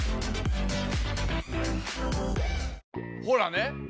ほらね！